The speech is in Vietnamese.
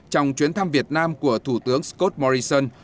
trong chuyến thăm việt nam của thủ tướng scott morrison